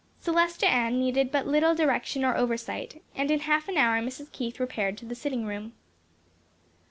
Celestia Ann needed but little direction or oversight, and in half an hour Mrs. Keith repaired to the sitting room.